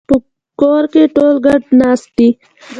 په کور کې ټول ګډ ناست دي